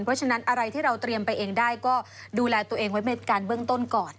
เพราะฉะนั้นอะไรที่เราเตรียมไปเองได้ก็ดูแลตัวเองไว้เป็นการเบื้องต้นก่อน